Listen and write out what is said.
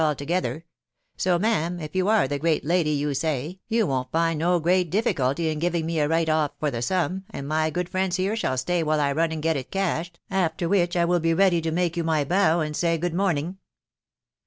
altogether ; so, ma'am, if you are the great lady you say, you wo'n't find no great diffljpulty in giving me a write off for the sum, and my good friends here shall stay while 1 run and get it cashed, after which I will be ready to make you my bow, and say good morning."